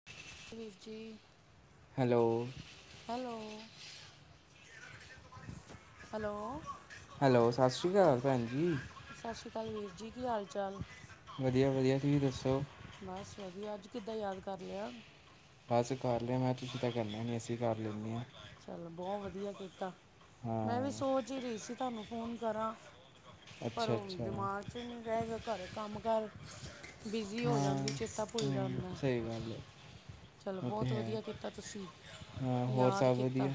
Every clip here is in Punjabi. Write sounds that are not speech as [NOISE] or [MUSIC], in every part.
[INAUDIBLE] ਵੀਰ ਜੀ। ਹੈਲੋ। Hello hello. ਹੈਲੋ, ਸਤਿ ਸ਼੍ਰੀ ਅਕਾਲ ਭੈਣ ਜੀ। ਸਤਿ ਸ਼੍ਰੀ ਅਕਾਲ ਵੀਰ ਜੀ, ਕੀ ਹਾਲ ਚਾਲ? ਵਧੀਆ-ਵਧੀਆ, ਤੁਸੀਂ ਦੱਸੋ? ਬਸ, ਵਧੀਆ ਅੱਜ ਕਿੱਦਾਂ ਯਾਦ ਕਰ ਲਿਆ? ਬਸ ਕਰ ਲਿਆ, ਮੈਂ ਕਿਹਾ, ਤੁਸੀਂ ਤਾਂ ਕਰਨਾ ਨਹੀਂ ਅਸੀ ਕਰ ਲੈਂਨੇ ਹਾਂ। ਚਲੋ ਬਹੁਤ ਵਧੀਆ ਕੀਤਾ, ਮੈਂ ਹਾਂ ਵੀ ਸੋਚ ਹੀ ਰਹੀ ਸੀ, ਤੁਹਾਨੂੰ ਫੋਨ ਕਰਾਂ। ਪਰ, ਅੱਛਾ ਉਹ ਅੱਛਾ ਦਿਮਾਗ ਚ ਨਹੀਂ ਰਹਿ ਗਿਆ, ਘਰੇ ਕੰਮ- ਕਾਰ ਬਿਜ਼ੀ ਹੋ ਹਾਂ ਹਮ, ਜਾਂਦੀ, ਚੇਤਾ ਭੁੱਲ ਜਾਂਦਾ ਐ। ਸਹੀ ਗੱਲ ਹੈ ਚਲੋ ਉਹ ਤਾਂ ਬਹੁਤ ਹੈ ਵਧੀਆ ਕੀਤਾ, ਤੁਸੀਂ, ਹਾਂ ਹੋਰ ਯਾਦ ਸਭ ਵਧੀਆ ਕੀਤਾ।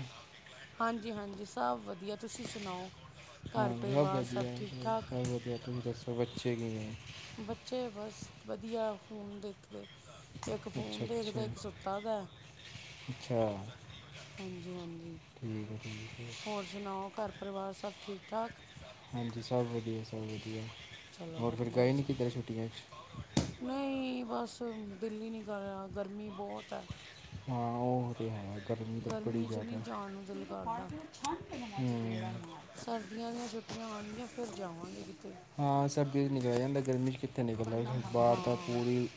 ਹਾਂਜੀ-ਹਾਂਜੀ। ਸਭ ਵਧੀਆ, ਤੁਸੀਂ ਸੁਣਾਓ? ਘਰ ਹਾਂ, ਬਹੁਤ ਪਰਿਵਾਰ ਸਭ ਵਧੀਆ, ਠੀਕ ਠਾਕ ਬਹੁਤ ਵਧੀਆ ਤੁਸੀਂ ਦਸੋ ਬੱਚੇ ਕਿਵੇਂ ਹੈ। ਬੱਚੇ ਬਸ ਵਧੀਆ, ਫੋਨ ਦੇਖਦੇ। ਇੱਕ ਅੱਛਾ ਫੋਨ ਅੱਛਾ ਦੇਖਦਾ, ਇੱਕ ਸੁੱਤਾ ਦਾ ਅੱਛਾ। ਹਾਂਜੀ-ਹਾਂਜੀ। ਠੀਕ ਹੈ ਠੀਕ ਹੈ ਹੋਰ ਸੁਣਾਓ, ਘਰ ਪਰਿਵਾਰ ਸਭ ਠੀਕ-ਠਾਕ? ਹਾਂਜੀ। ਸਭ ਵਧੀਆ, ਸਭ ਵਧੀਆ ਚਲੋ ਹੋਰ ਫਿਰ ਵਧੀਆ ਗਏ ਨਹੀਂ ਜੀ ਕਿਧਰ ਛੁੱਟੀਆਂ 'ਚ? ਨਹੀਂ, ਬਸ ਦਿੱਲੀ ਨਹੀਂ ਕਰ ਰਿਹਾ। ਗਰਮੀ ਬਹੁਤ ਹੈ। ਹਾਂ। ਉਹ ਤੇ ਹੈ, ਗਰਮੀ ਤਾਂ ਬੜੀ 'ਚ ਜ਼ਿਆਦਾ ਨਹੀਂ ਐ। ਜਾਣ ਨੂੰ ਦਿਲ ਹੂੰ ਕਰਦਾ ਸਰਦੀਆਂ ਦੀਆਂ ਛੁੱਟੀਆਂ ਆਉਣਗੀਆਂ, ਫਿਰ ਜਾਵਾਂਗੇ ਕਿਤੇ। ਹਾਂ ਸਰਦੀਆਂ 'ਚ ਨਿਕਲਿਆ ਜਾਂਦਾ, ਗਰਮੀ ਚ ਕਿੱਥੇ ਨਿਕਲਦਾ ਬਾਹਰ ਹਾਂ ਤਾਂ ਪੂਰੀ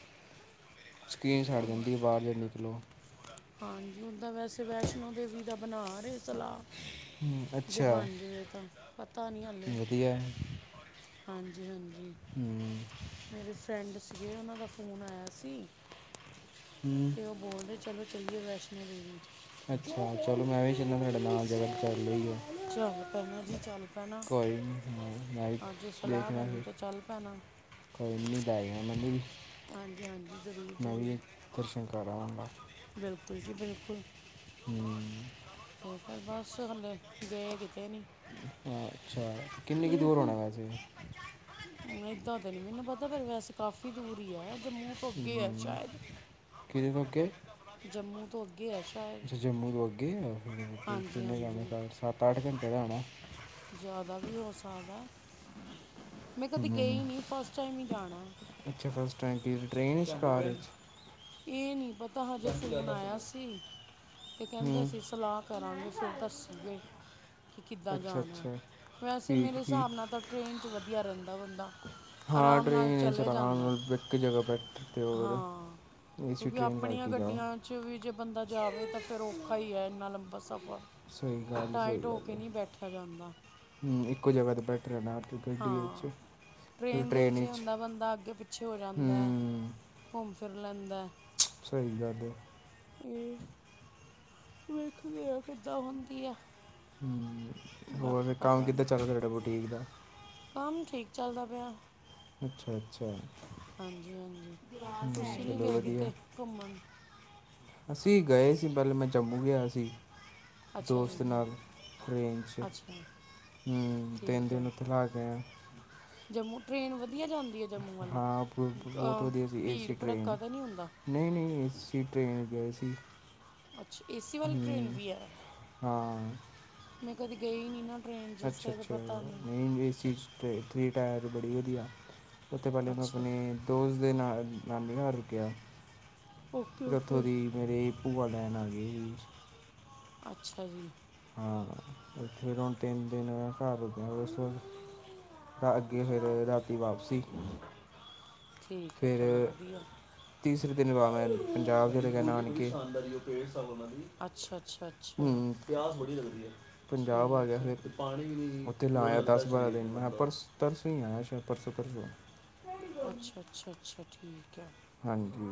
ਸਕਿਨ ਸੜ ਉਹ ਜਾਂਦੀ ਐ, ਬਾਹਰ ਜਦ ਨਿਕਲੋ। ਹਾਂਜੀ। ਓਦਾਂ, ਵੈਸੇ ਵੈਸ਼ਨੋ ਦੇਵੀ ਦਾ ਬਣਾ ਰਹੇ, ਸਲਾਹ। ਹੂੰ, ਜੇ ਅੱਛਾ ਬਣ ਜਾਵੇ ਤਾਂ, ਪਤਾ ਨਹੀਂ ਹਾਲੇ। ਵਧੀਆ ਹੈ। ਹਾਂਜੀ-ਹਾਂਜੀ। ਹੂੰ ਮੇਰੇ ਫਰੈਂਡ ਸੀਗੇ, ਉਹਨਾਂ ਦਾ ਫ਼ੋਨ ਆਇਆ ਸੀ। ਹਮ। ਇਹ ਬੋਲਦੇ ਚਲੋ ਚਲੀਏ ਵੈਸ਼ਨੋ ਦੇਵੀ। ਅੱਛਾ। ਚਲੋ ਮੈਂ ਵੀ ਚਲਾਗਾ ਤੁਹਾਡੇ ਨਾਲ ਗੱਡੀ ਕਰ ਲਈ ਏ। ਚੱਲ ਪੈਣਾ ਜੀ, ਚੱਲ ਪੈਣਾ, ਨਹੀਂ ਹਾਂ, ਮੈਂ ਵੀ ਹਾਂ ਜੇ ਸਲਾਹ ਦੇਖਣਾ ਬਣੀ ਫਿਰ ਤਾਂ ਚੱਲ ਪੈਣਾ। ਕੋਈ ਨੀ ਲੈ ਜਾਣਾ ਮੈਨੂੰ ਵੀ, ਹਾਂਜੀ ਹਾਂਜੀ ਜ਼ਰੂਰ ਮੈਂ ਵੀ ਜ਼ਰੂਰ ਦਰਸ਼ਨ ਕਰਾ ਆਵਾਗਾ। ਬਿਲਕੁਲ ਜੀ ਬਿਲਕੁਲ। ਹੂੰ। ਤੇ ਫਿਰ ਬਸ ਹਲੇੇ ਗਏ ਕਿਤੇ ਨੀ। ਹਾ। ਅੱਛਾ ਕਿੰਨੀ ਕੁ ਦੂਰ ਹੋਣਾ ਵੈਸੇ ਵੀ। ਏਦਾਂ ਤਾਂ ਨਹੀਂ ਮੈਨੂੰ ਪਤਾ। ਪਰ ਵੈਸੇ ਕਾਫ਼ੀ ਦੂਰ ਹੀ ਹੈ। ਜੰਮੂ ਤੋਂ ਅੱਗੇ ਹੈ ਸ਼ਾਇਦ। ਕਿਦੇ ਅਗੇ। ਜੰਮੂ ਤੋਂ ਅੱਗੇ ਹੈ ਸ਼ਾਇਦ ਅੱਛਾ। ਜੰਮੂ ਤੋਂ ਅੱਗੇ‌ ਹਾਂਜੀ ਹਾਂਜੀ ਐ। ਸੱਤ-ਅੱਠ ਘੰਟੇ ਦਾ ਹੁਣਾ। ਜ਼ਿਆਦਾ ਵੀ ਹੋ ਸਕਦਾ, ਮੈਂ ਕਦੇ ਹੂੰ ਗਈ ਨਹੀਂ ਫਸਟ ਟਾਈਮ ਹੀ ਜਾਣਾ। ਅੱਛਾ ਫਸਟ ਟਾਇਮ ਗਏ। ਟ੍ਰੇਨ ਚ ਕਾਰ ਵਿੱਚ। ਇਹ ਨਹੀਂ ਪਤਾ, ਹਜੇ ਫੋਨ ਆਇਆ ਸੀ। ਇਹ ਕਹਿੰਦੇ ਹੂੰ ਅਸੀਂ ਸਲਾਹ ਕਰਾਂਗੇ ਫਿਰ ਦੱਸੂਗੇ। ਕਿ ਕਿੱਦਾਂ ਅੱਛਾ ਜਾਣਾ ਐ। ਅੱਛਾ ਵੈਸੇ ਠੀਕ ਮੇਰੇ ਠੀਕ ਹਿਸਾਬ ਨਾਲ ਤਾਂ ਟਰੇਨ 'ਚ ਵਧੀਆ ਰਹਿੰਦਾ ਬੰਦਾ। ਹਾਂ ਆਰਾਮ ਨਾਲ ਟ੍ਰੇਨ ਵਿੱਚ ਚਲੇ ਆਰਾਮ ਜਾਂਦੇ ਆ ਨਾਲ ਇੱਕ ਜਗ੍ਹਾ ਬੈਠ ਤੇ ਹੋਰ ਹਾਂ। ਏਸੀ ਕਿਉਂਕਿ ਟ੍ਰੇਨ ਆਪਣੀਆਂ ਕਰਕੇ ਜਾਓ ਗੱਡੀਆਂ 'ਚ ਵੀ ਜੇ ਬੰਦਾ ਜਾਵੇ। ਤਾਂ ਫਿਰ ਔਖਾ ਹੀ ਹੈ। ਇੰਨਾ ਲੰਬਾ ਸਫ਼ਰ। ਸਹੀ ਗੱਲ ਹੈ, ਟਾਈਟ ਸਹੀ ਹੋ ਗੱਲ ਕੇ ਹੈ ਨਹੀਂ ਬੈਠਿਆ ਜਾਂਦਾ। ਹੂੰ। ਇੱਕੋ ਜਗ੍ਹਾ ਤਾਂ ਬੈਠੇ ਰਹਿਣਾ। ਤੇ ਗੱਡੀ ਵਿੱਚ ਹਾਂ, ਫਿਰ ਟਰੇਨ ਦੇ ਟ੍ਰੇਨ ਵਿੱਚ ਇਹ ਹੁੰਦਾ। ਬੰਦਾ ਅੱਗੇ ਪਿੱਛੇ ਹੋ ਜਾਂਦਾ। ਹੂੰ ਘੁੰਮ ਫਿਰ ਲੈਂਦਾ। ਸਹੀ ਗੱਲ ਏ। ਹੂੰ। ਵੇਖਦਿਆਂ ਕਿੱਦਾਂ ਹੁੰਦੀ ਆ। ਬਾਕੀ ਹੋਰ ਕੰਮ ਪਤਾ ਕਿੱਦਾਂ ਨਹੀਂ ਚੱਲ ਤੁਹਾਡਾ ਬੂਟਿਕ ਦਾ? ਕੰਮ ਠੀਕ ਚੱਲਦਾ ਪਿਆ। ਅੱਛਾ ਅੱਛਾ। ਹਾਂਜੀ ਹਾਂਜੀ। ਹਮ, ਤੁਸੀਂ ਨੀ ਚਲੋ ਗਏ ਵਧੀਆ ਕਿਤੇ ਘੁੰਮਣ? ਅਸੀਂ ਗਏ ਸੀ ਪਹਿਲੇ, ਮੈਂ ਜੰਮੂ ਗਿਆ ਹੋਇਆ ਸੀ। ਅੱਛਾ ਦੋਸਤ ਜੀ ਨਾਲ ਟਰੇਨ 'ਚ, ਅੱਛਾ ਹੂੰ ਤਿੰਨ ਠੀਕ ਦਿਨ ਹੈ ਉੱਥੇ ਲਾ ਕੇ ਆਏ। ਜੰਮੂ ਟ੍ਰੇਨ ਵਧੀਆ ਜਾਂਦੀ ਹੈ ਜੰਮੂ ਵਾਲੀ। ਹਾਂ ਬ- ਬ- ਬਹੁਤ ਵਧੀਆ ਸੀ ਏਸੀ ਭੀੜ- ਟ੍ਰੇਨ ਭੜੱਕਾ ਤਾਂ ਨਹੀਂ ਹੁੰਦਾ। ਨਹੀਂ- ਨਹੀਂ ਅਸੀਂ ਟ੍ਰਰੇਨ ਗਏ ਸੀ। ਅੱਛਾ। ਏਸੀ ਵਾਲੀ ਟ੍ਰੇਨ ਹੂੰ ਵੀ ਹੈ। ਹਾਂ ਮੈਂ ਕਦੇ ਗਈ ਨੀ ਨਾ। ਟ੍ਰੇਨ 'ਚ ਇਸ ਅੱਛਾ ਕਰਕੇ ਅੱਛਾ। ਪਤਾ ਨਹੀਂ ਏਸੀ ਥ੍ਰੀ ਟਾਇਰ ਬੜੀ ਵਧੀਆ। ਉਸ ਤੋਂ ਪਹਿਲੇ ਮੈਂ, ਅੱਛਾ ਆਪਣੇ ਦੋਸਤ ਦੇ ਨਾਲ ਨਾਨੀ ਘਰ ਰੁਕਿਆ। ਓਕੇ ਫੇਰ ਉੱਥੋਂ ਓਕੇ ਦੀ ਮੇਰੀ ਭੂਆ ਲੈਣ ਆ ਗੀ ਸੀ। ਅੱਛਾ ਜੀ। ਹਾਂ ਉ ਫਿਰ ਹੁਣ ਤਿੰਨ ਦਿਨ ਘਰ ਗਿਆ ਉਸ ਤੋ ਤਾਂ ਅੱਗੇ ਫੇਰ ਰਾਤੀ ਵਾਪਸੀ। ਠੀਕ ਹੈ ਫਿਰ ਚਲੋ ਵਧੀਆ ਤੀਸਰੇ ਦਿਨ ਵੀ ਮੈਂ ਪੰਜਾਬ ਚਲਗਿਆ ਨਾਨਕੇ। ਅੱਛਾ ਅੱਛਾ ਅੱਛਾ ਹੂੰ। ਪੰਜਾਬ ਆ ਗਿਆ ਠੀਕ ਹੈ ਫਿਰ। ਉੱਥੇ ਲਾਇਆ ਦਸ- ਬਾਰਾਂ ਦਿਨ, ਮੈਂ ਪਰਸ ਤਰਸੋਂ ਹੀ ਆਇਆ ਪਰਸੋਂ -ਤਰਸੋ। ਅੱਛਾ ਅੱਛਾ ਅੱਛਾ ਠੀਕ ਹੈ।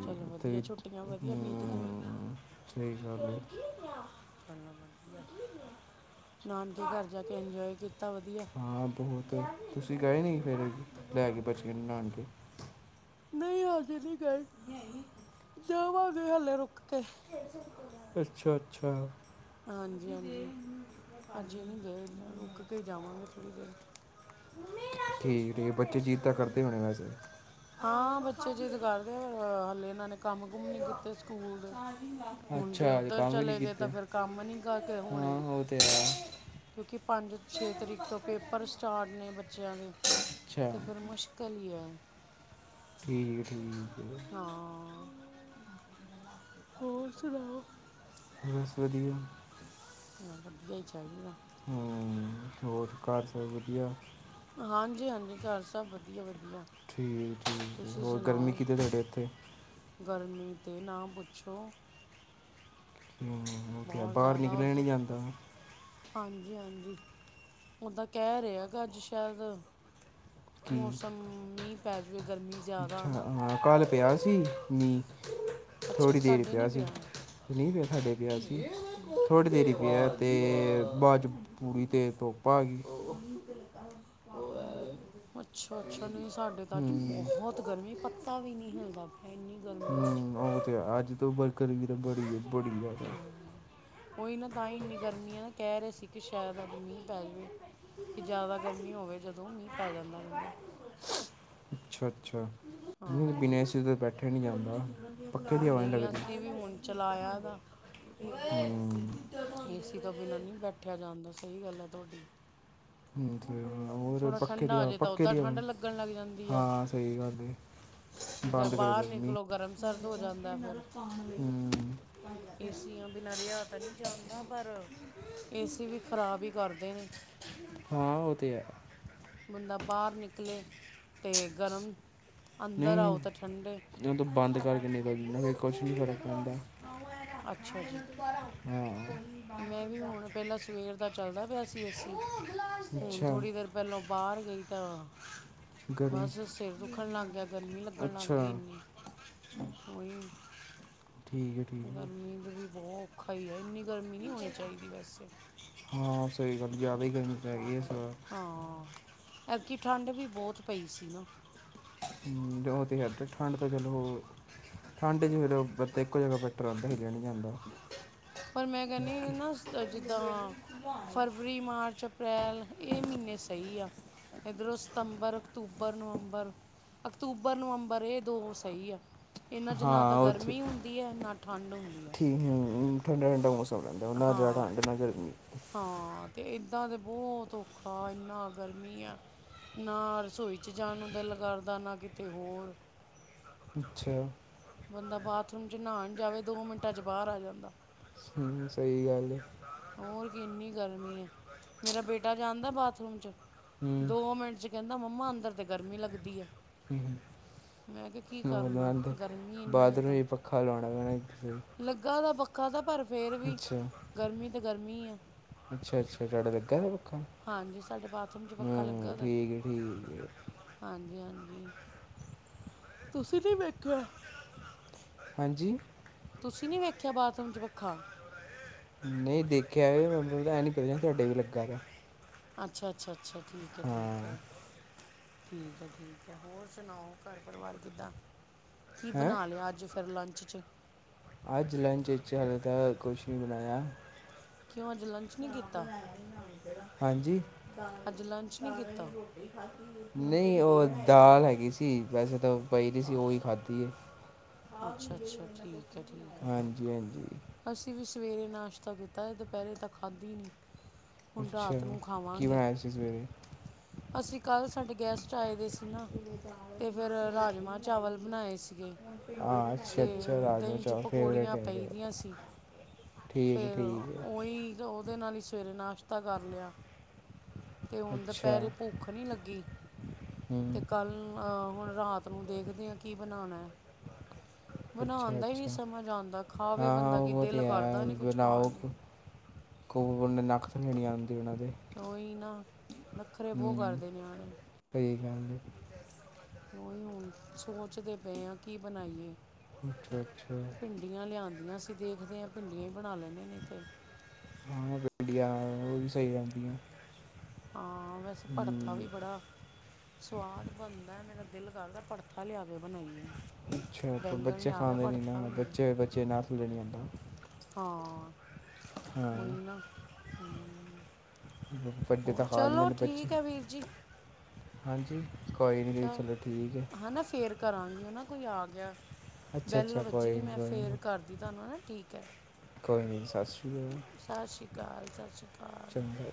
ਚਲੋ ਵਧੀਆ ਤੇ ਛੁੱਟੀਆਂ ਵਧੀਆ ਬੀਤ ਗਈਆਂ ਹੂੰ ਸਹੀ ਗੱਲ ਹੈ। ਚੱਲੋ ਵਧੀਆ। ਨਾਨਕੇ ਘਰ ਜਾ ਕੇ ਇੰਜੋਏ ਕੀਤਾ ਵਧੀਆ। ਹਾਂ ਬਹੁਤ। ਤੁਸੀਂ ਗਏ ਨਹੀਂ ਫਿਰ, ਲੈ ਕੇ ਬੱਚਿਆਂ ਨੂੰ ਨਾਨਕੇ। ਨਹੀਂ ਹਜੇ ਨਹੀਂ ਗੇ। ਲਿਆਈ ਜਾਵਾਂਗੇ ਹਲੇੇ ਰੁਕ ਕੇ ਅੱਛਾ, ਅੱਛਾ ਹਾਂਜੀ, ਉਹਦੀ ਦੇ ਹਾਂਜੀ ਮੈਂ ਪਾ ਹਜੇ ਲਈ ਨੀ ਗਏ ਰੁਕ ਕੇ ਜਾਵਾਂਗੇ ਥੋੜ੍ਹੀ ਦੇਰ ਠੀਕ ਠੀਕ ਬੱਚੇ ਜਿਦ ਤਾਂ ਕਰਦੇ ਹੋਣੇ ਵੈਸੇ ਹਾਂ, ਬੱਚੇ ਜਿੱਦ ਕਰਦੇ ਆ, ਪਰ ਹਲੇ ਏਨਾਂ ਨੇ ਕੰਮ ਕੁਮ ਨੀ ਕੀਤੇ ਸਕੂਲ ਦੇ ਚਾਰਜਿੰਗ ਲਾ ਕੇ ਹੁਣ ਜੇ ਅੱਛਾ ਅਜੇ ਉੱਧਰ ਕੰਮ ਵੀ ਨਹੀਂ ਚਲੇ ਗਏ ਕੀਤੇ ਤਾਂ ਫੇਰ ਕੰਮ ਨੀ ਕਰਕੇ ਹਾਂ ਹੋਣੇ। ਉਹ ਤੇ ਆ ਕਿਉਂਕਿ ਪੰਜ ਛੇ ਤਰੀਕ ਤੋਂ ਪੇਪਰ ਸਟਾਰਟ ਨੇ ਬੱਚਿਆਂ ਦੇ ਅੱਛਾ ਤੇ ਫਿਰ ਮੁਸ਼ਕ ਕੱਲ ਈ ਐ। ਠੀਕ ਐ, ਠੀਕ ਐ ਫੇਰ। ਹਾਂ ਹੋਰ ਸੁਣਾਓ। ਬਸ ਵਧੀਆ। ਹ ਵਧੀਆ ਈ ਚਾਈਦਾ। ਹੂੰ ਹੋਰ ਘਰ ਸਭ ਵਧੀਆ। ਹਾਂਜੀ, ਹਾਂਜੀ ਘਰ ਸਭ ਵਧੀਆ ਵਧੀਆ। ਠੀਕ ਠੀਕ ਐ ਤੁਸੀਂ ਹੋਰ ਗਰਮੀ ਸੁਣਾਓ ਕਿਦਾਂ ਤਾਡੇ ਇੱਥੇ। ਗਰਮੀ 'ਤੇ ਨਾ ਪੁੱਛੋ। ਹੂੰ ਓ ਤੇ ਹੈ ਬਹੁਤ ਬਾਰ ਜ਼ਿਆਦਾ ਨਿਕਲਿਆ ਉਦੋਂ ਨੀ ਜਾਂਦਾ। ਹਾਂਜੀ, ਹਾਂਜੀ ਓਦਾਂ ਕਹਿ ਰੇ ਐ ਕਿ ਅੱਜ ਸ਼ਾਇਦ ਕੀ ਮੌਸਮ ਮੀ ਪੈ ਜਾਵੇ ਗਰਮੀ ਜ਼ਿਦਾ ਨਾ। ਹ ਕਾਲ੍ਹ ਪਿਆ ਸੀ ਮੀ ਅੱਛਾ ਥੋੜ੍ਹੀ ਦੇਰ ਈ ਸਾਡੇ ਪਿਆ ਨਹੀਂ ਸੀ। ਮੀ ਤੇ ਸਾਡੇ ਪਿਆ ਸੀ ਥੋੜ੍ਹੀ ਦੇਰੀ ਈ ਪਿਆ ਤੇ ਬਾਚ ਪੂਰੀ ਤੇ ਤੁਪ ਆ ਗਈ। ਅੱਛਾ, ਅੱਛਾ ਨਈ ਸਾਡੇ ਤਾਂ ਅੱਜ ਹੂੰ ਬਹੁਤ ਗਰਮੀ ਪੱਤਾ ਵੀ ਨੀ ਹਿਲਦਾ ਪਿਆ ਇੰਨੀ ਗਰਮੀ ਅੱਜ ਹੂੰ ਉਹ ਤੇ ਹੈ ਅੱਜ ਤਾਂ ਵਰਕਰ ਵੀ ਤਾਂ ਬੜੀ, ਬੜੀ ਜ਼ਿਆਦਾ ਓਈ ਨਾ ਤਾਂ ਈ ਇੰਨੀ ਗਰਮੀ ਐ ਨਾ ਕਹਿ ਰਹੇ ਸੀ ਕਿ ਸ਼ਾਇਦ ਅੱਜ ਮੀ ਪੈ ਜਾਵੇ। ਕਿ ਜਾਦਾ ਗਰਮੀ ਹੋਵੇ ਜਦੋਂ ਮੀ ਪੈ ਜਾਂਦਾ ਕਹਿੰਦੇ ਅੱਛਾ, ਅੱਛਾ ਨਈ ਬਿਨਾ ਹਾਂ ਏ ਸੀ ਦੇ ਬੈਠਿਆ ਨੀ ਜਾਂਦਾ ਪੱਖੇ ਬੀ ਦੀ ਹਵਾ ਨਹੀਂ ਨਈ ਲੱਗਦੀ ਅਸੀਂ ਵੀ ਹੁਣ ਚਲਾਇਆ ਦਾ। ਏਸੀ ਤੋਂ ਬਿਨਾਂ ਨੀ ਬੈਠਿਆ ਜਾਂਦਾ ਸਈ ਗੱਲ ਐ ਤੁਆਡੀ। ਤੇ ਹੋਰ ਪੱਖੇ ਠੰਡਾ ਦੀ ਹੋ ਹ ਜੇ ਤਾਂ ਪੱਖੇ ਉੱਦਾਂ ਦੀ ਹਵਾ ਠੰਡ ਲੱਗਣ ਲੱਗ ਜਾਂਦੀ ਹੈ ਹਾਂ। ਸਈ ਗੱਲ ਐ। ਕੀ ਕਰ ਬਾਰ ਨਿਕਲੋ ਗਰਮ ਸਰਦ ਹੋ ਜਾਂਦਾ ਫਿਰ ਹੂੰ ਏਸੀਆਂ ਬਿਨਾਂ, ਰਿਹਾ ਤਾਂ ਨਹੀਂ ਜਾਂਦਾ ਪਰ ਏ ਸੀ ਵੀ ਖਰਾਬ ਹੀ ਕਰਦੇ ਨੇ ਹਾਂ, ਉਹ ਤੇ ਹੈ। ਬੰਦਾ ਬਾਹਰ ਨਿਕਲੇ ਤੇ, ਗਰਮ ਅੰਦਰ ਆਉ ਤਾਂ ਠੰਡੇ ਤੂੰ ਬੰਦ ਕਰਕੇ ਨਹੀਂ ਕਰਨਾ, ਫਿਰ ਕੁਛ ਨੀ ਫਰਕ ਪੈਂਦਾ ਅੱਛਾ ਜੀ। ਹੂੰ ਮੈਂ ਵੀ ਹੁਣ ਪਹਿਲਾਂ ਸਵੇਰ ਦਾ ਚੱਲਦਾ ਪਿਆ ਸੀ ਏ ਸੀ ਹੁਣ ਅੱਛਾ ਥੋੜ੍ਹੀ ਦੇਰ ਪਹਿਲੋ ਬਾਰ ਗਈ ਤਾਂ ਗਰਮ ਬਸ ਸਿਰ ਦੁੱਖਣ ਲੱਗ ਗਿਆ, ਗਰਮੀ ਲੱਗਣ ਲੱਗ ਅੱਛਾ ਗਈ ਇੰਨੀ। ਉਹੀ ਠੀਕ ਹੈ ਠੀਕ ਹੈ ਗਰਮੀ ਦੇ ਵੀ ਬਹੁਤ ਔਖਾ ਈ ਐ ਇੰਨੀ ਗਰਮੀ ਨੀ ਹੋਣੀ ਚਾਈਦੀ ਵੈਸੇ। ਹਾਂ ਸਈ ਗੱਲ ਜ਼ਿਆਦਾ ਈ ਗਰਮੀ ਪੈ ਗਈ ਏਸ ਵਾਰ। ਹਾਂ, ਐਤਕੀ ਠੰਡ ਵੀ ਬੋਤ ਪਈ ਸੀ ਨਾ। ਹੂੰ, ਓ ਤੇ ਹੈ ਤੇ ਠੰਡ ਤੇ ਚਲੋ ਠੰਡ ਚ ਫਿਰ ਬ ਇੱਕੋ ਜਗਾ ਬੈਠਿਆਂ ਰਹਿੰਦਾ ਹਿਲਿਆ ਨਈ ਜਾਂਦਾ। ਪਰ ਮੈਂ ਕਹਿੰਨੀ ਨਾ ਜਿੱਦਾਂ ਆ ਫਰਵਰੀ, ਮਾਰਚ, ਅਪ੍ਰੈਲ ਏ ਮੀਨੇ ਸਈ ਆ। ਇੱਧਰੋਂ ਸਤੰਬਰ, ਅਕਤੂਬਰ, ਨਵੰਬਰ ਅਕਤੂਬਰ, ਨਵੰਬਰ ਇਹ ਦੋ ਸਹੀ ਆ। ਇਹਨਾਂ 'ਚ ਨਾ ਤਾਂ ਹਾਂ ਗਰਮੀ ਹੁੰਦੀ ਹੈ, ਨਾ ਠੰਡ ਹੁੰਦੀ ਹੈ। ਹਮਮ ਠੰਡਾ-ਠੰਡਾ ਮੌਸਮ ਰਹਿੰਦਾ। ਨਾ ਜ਼ਿਆਦਾ ਹਾਂ ਠੰਡ ਨਾ ਗਰਮੀ। ਹਾਂ ਤੇ ਏਦਾਂ ਤੇ ਬਹੁਤ ਔਖਾ, ਇੰਨਾ ਗਰਮੀ ਆ। ਨਾ ਰਸੋਈ ਚ, ਜਾਣ ਨੂੰ ਦਿਲ ਕਰਦਾ ਨਾ ਕਿਤੇ ਹੋਰ। ਅੱਛਾ ਬੰਦਾ ਬਾਥਰੂਮ ਚ ਨਹਾਣ ਜਾਵੇ, ਦੋ ਮਿੰਟਾਂ ਚ ਬਾਹਰ ਆ ਜਾਂਦਾ। ਸਹੀ ਗੱਲ ਹੈ। ਹੋਰ ਕਿ ਇੰਨੀ ਗਰਮੀ ਹੈ ਮੇਰਾ ਬੇਟਾ ਜਾਂਦਾ ਬਾਥਰੂਮ ਚ ਹੂੰ ਦੋ ਮਿੰਟ ਚ ਕਹਿੰਦਾ, ਮੰਮਾ ਅੰਦਰ ਤੇ ਗਰਮੀ ਲੱਗਦੀ ਹੈ। ਮੈਂ ਕਿਹਾ ਕੀ ਕਰਨਾ ਗਰਮੀ [UNINTELLIGIBLE] ਇੰਨੀ ਹੈ ਬਾਥਰੂਮ ਤਾਂ ਵਿੱਚ ਪੱਖਾ ਲਾਉਣਾ ਪੈਣਾ। ਲੱਗਾ ਦਾ ਪੱਖਾ ਤਾਂ, ਪਰ ਫੇਰ ਵੀ ਗਰਮੀ ਤਾਂ ਗਰਮੀ ਆ। ਅੱਛਾ-ਅੱਛਾ, ਤੁਹਾਡਾ ਲੱਗਾ ਦਾ ਪੱਖਾ? ਹਾਂਜੀ ਸਾਡੇ ਬਾਥਰੂਮ ਚ ਹਮ, ਠੀਕ ਹੈ, ਠੀਕ ਏ। ਹਾਂਜੀ-ਹਾਂਜੀ। ਤੁਸੀਂ ਨਹੀਂ ਵੇਖਿਆ? ਹਾਂਜੀ? ਤੁਸੀਂ, ਨੀ ਵੇਖਿਆ ਬਾਥਰੂਮ ਚ ਪੱਖਾ? ਨਹੀਂ ਦੇਖਿਆ ਹੈ, ਇਹ ਨਹੀਂ ਪਤਾ ਤੁਹਾਡੇ ਵੀ ਲੱਗਾ ਵਾ ਅੱਛਾ-ਅੱਛਾ, ਅੱਛਾ। ਠੀਕ ਹੈ-ਠੀਕ ਹਾਂ ਹੈ। ਠੀਕ ਹੈ-ਠੀਕ ਹੈ। ਹੋਰ ਸੁਣਾਓ ਘਰ ਪਰਿਵਾਰ ਕਿੱਦਾਂ? ਕੀ ਹੈ ਬਣਾ ਲਿਆ ਅੱਜ? ਫਿਰ ਲੰਚ 'ਚ ਅੱਜ ਲੰਚ ਵਿਚ ਹਾਲੇ, ਤਾਂ ਕੁਛ ਨੀ ਬਣਾਇਆ। ਕਿਉਂ ਅੱਜ ਲੰਚ ਨਹੀਂ ਕੀਤਾ ਹਾਂਜੀ। ਅੱਜ ਲੰਚ ਨਹੀਂ ਕੀਤਾ ਨਹੀਂ ਉਹ ਦਾਲ ਹੈਗੀ ਸੀ। ਵੈਸੇ ਤਾਂ ਪਈ ਦੀ ਸੀ, ਉਹੀ ਖਾਧੀ ਹੈ। ਅੱਛਾ ਅੱਛਾ ਠੀਕ ਹੈ ਠੀਕ ਹੈ ਹਾਂਜੀ-ਹਾਂਜੀ। ਅਸੀਂ ਵੀ ਸਵੇਰੇ ਨਾਸ਼ਤਾ ਕੀਤਾ ਹੈ, ਦੁਪਹਿਰੇ ਤਾਂ ਖਾਧੀ ਨਹੀਂ। ਹੁਣ ਅੱਛਾ ਰਾਤ ਨੂੰ ਕੀ ਖਾਵਾਂਗੇ। ਬਣਾਇਆ ਸੀ ਸਵੇਰੇ ਅਸੀਂ ਕੱਲ੍ਹ ਸਾਡੇ ਗੈਸਟ ਆਏ ਦੇ ਸੀ ਨਾ। ਸੀਰੇ ਦਾਲ ਤੇ ਹੋਈ ਫਿਰ, ਸੀ ਰੋਟੀ ਰਾਜਮਾਂ ਬਣਾਈ ਚਾਵਲ ਹੈ ਬਣਾਏ ਸੀਗੇ। ਹੁਣ ਪਿੰਡ ਹਾਂ ਅੱਛਾ ਤੇ ਅੱਛਾ ਰਾਜਮਾ ਦਹੀਂ ਚ, ਚਾਵਲ ਫੇਵਰੇਟ ਪਕੌੜੀਆਂ ਹੈ ਪਈ ਮੇਰੇ ਦੀਆਂ ਸੀ। ਪੀ ਠੀਕ ਫੇਰ ਠੀਕ ਹੈ ਉਹੀ, ਉਹਦੇ ਨਾਲ ਹੀ ਸਵੇਰੇ ਨਾਸ਼ਤਾ ਕਰ ਲਿਆ। ਤੇ ਹੁਣ ਅੱਛਾ, ਦੁਪਹਿਰੇ ਭੁੱਖ ਨਹੀਂ ਲੱਗੀ। ਹੂੰ ਤੇ ਕੱਲ ਅ ਹੁਣ ਰਾਤ ਨੂੰ, ਦੇਖਦੇ ਹਾਂ ਕੀ ਬਣਾਉਣਾ ਹੈ। ਬਣਾਉਣ ਦਾ ਹੀ ਨਹੀਂ ਅੱਛਾ-ਅੱਛਾ। ਸਮਝ ਆਉਂਦਾ ਖਾਵੇ ਹਾਂ ਬੰਦਾ ਕਿ ਉਹ ਦਿਲ ਤੇ ਕਰਦਾ ਹੈ ਨਹੀਂ ਕੁਛ ਖਾਣ ਬਣਾਓ ਨੂੰ ਖੋਨ, ਨੱਕ ਥੱਲੇ ਲੇ ਨਹੀਂ ਆਉਂਦੀ ਉਹਨਾਂ ਦੇ। ਉਹੀ ਨਾ, ਨੱਖਰੇ ਬਹੁ ਹੂੰ ਕਰਦੇ ਨਿਆਣੇ। ਸਹੀ ਗੱਲ ਏ। ਉ ਓਹੀ ਹੁਣ ਸੋਚਦੇ ਪਏ ਆ, ਕੀ ਬਣਾਈਏ? ਅੱਛਾ-ਅੱਛਾ। ਭਿੰਡੀਆਂ ਲਿਆਂਦੀਆਂ ਸੀਂ। ਦੇਖਦੇ ਹਾਂ, ਭਿੰਡੀਆਂ ਹੀ ਬਣਾ ਲੈਂਦੇ ਨੀ ਤੇ। ਹਾਂ, ਭਿੰਡੀਆਂ ਉਹ ਵੀ ਸਹੀ ਰਹਿੰਦੀਆਂ। ਹਾਂ, ਵੈਸੇ ਭੜਥਾ ੜਥਾ ਵੀ ਹੂੰ ਬੜਾ ਸਵਾਦ ਬਣਦਾ ਹੈ। ਮੇਰਾ ਦਿਲ ਕਰਦਾ ਹੈ, ਭੜਥਾ ਲਿਆ ਕੇ ਬਣਾਈਏ। ਅੱਛਾ ਤੇ ਬੱਚੇ ਖਾਂਦੇ ਨਹੀਂ ਨਾ, ਬੱਚੇ-ਬੱਚੇ ਨਾਕ ਥਲੇ ਨਹੀਂ ਆਂਦਾ। ਹਾਂ ਹਾਂ ਉਹੀ ਨਾ, ਹਮਮ। ਵੱਡੇ ਹੋ ਤਾਂ ਖਾ ਲੈਂਦੇ ਚਲੋ, ਨੇ ਬੱਚੇ ਠੀਕ ਹੈ ਵੀਰ ਜੀ। ਹਾਂਜੀ, ਕੋਈ ਨੀ ਦੀਦੀ ਚਲੋ ਠੀਕ ਹੈ। ਹਨਾ, ਫੇਰ ਕਰਾਂਗੀ, ਉਹ ਨਾ ਕੋਈ ਆ ਗਿਆ, ਅੱਛਾ ਬੈੱਲ ਅੱਛਾ ਵੱਜੀ ਕੋਈ ਨਹੀਂ ਮੈਂ ਕੋਈ ਨਹੀਂ ਫੇਰ ਕਰਦੀ ਤੁਹਾਨੂੰ ਹੈ ਠੀਕ ਹੈ। ਕੋਈ ਨਹੀਂ, ਸਤਿ ਸ੍ਰੀ ਅਕਾਲ। ਸਤਿ ਸ਼੍ਰੀ ਅਕਾਲ, ਸਤਿ ਸ਼੍ਰੀ ਅਕਾਲ ਚੰਗਾ